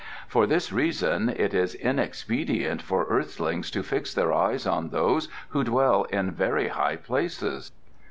"For this reason it is inexpedient for earthlings to fix their eyes on those who dwell in very high places."